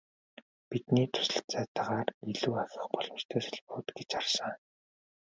Бидний туслалцаатайгаар илүү ахих боломжтой салбарууд гэж харсан.